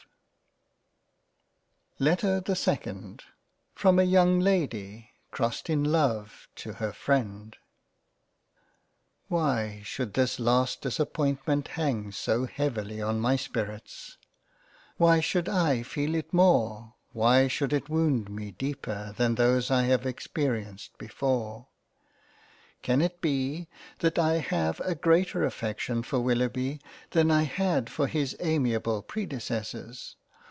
F. LETTER the SECOND From a YOUNG LADY crossed in Love to her freind WHY should this last disappointment hang so heavily on my spirits ? Why should I feel it more, why should it wound me deeper than those I have ex perienced before ? Can it be that I have a greater affection for Willoughby than I had for his amiable predecessors